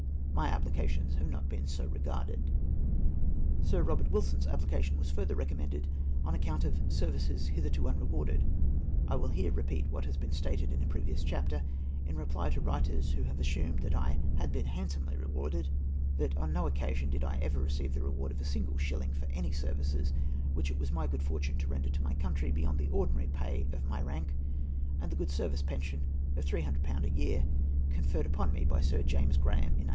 '' My apphcations have not been so regarded. Sir Eobert Wilson's application was further recom mended on account of " services hitherto unrewardecV I will here repeat what has been stated in a previous chapter, in reply to writers who have assumed that I had been handsomely rewarded — that on no occasion did I ever receive the reward of a single shilhng for any services which it was my good fortune to render to my country, beyond the ordinary pay of Iny rank, and the good service pension of 300/. a year, conferred upon me by Sir James Graham, in 1844.